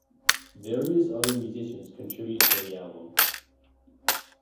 Various other musicians contribute to the album.